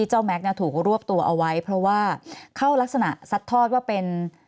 แม็กซ์เนี่ยถูกรวบตัวเอาไว้เพราะว่าเข้ารักษณะซัดทอดว่าเป็น